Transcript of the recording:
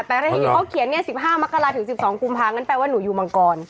แต่อะไรเคยเขาเขียนเนี่ยสิบห้ามักกะลาถึงสิบสองกุมภาก็แปลว่าหนูอยู่บางกร